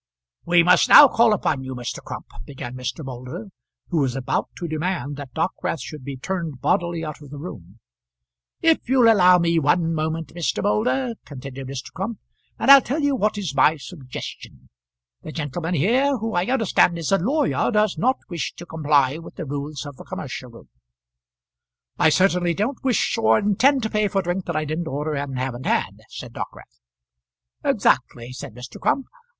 "We must now call upon you, Mr. Crump," began Mr. Moulder, who was about to demand that Dockwrath should be turned bodily out of the room. "If you'll allow me one moment, Mr. Moulder," continued Mr. Crump, "and I'll tell you what is my suggestion. The gentleman here, who I understand is a lawyer, does not wish to comply with the rules of the commercial room." "I certainly don't wish or intend to pay for drink that I didn't order and haven't had," said Dockwrath. "Exactly," said Mr. Crump.